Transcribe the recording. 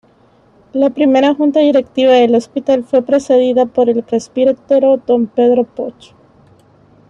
La primera Junta Directiva del Hospital fue presidida por el presbítero don Pedro Poch.